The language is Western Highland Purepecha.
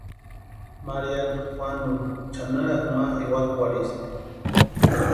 Maríanha Juanuni chʼanarakwa ma ewakwarhisti.